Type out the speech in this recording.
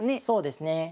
そうですね。